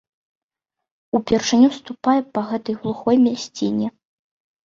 Упершыню ступае па гэтай глухой мясціне.